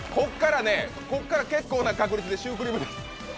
ここから、結構な確率でシュークリームです。